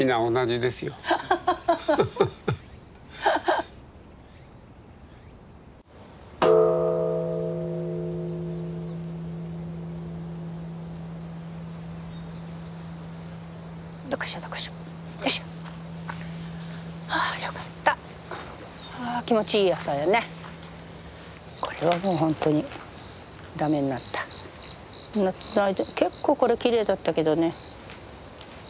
夏の間結構これきれいだったけどね。